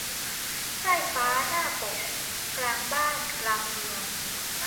ไพร่ฟ้าหน้าปก กลางบ้าน กลางเมือง